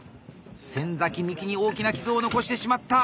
先幹に大きな傷を残してしまった！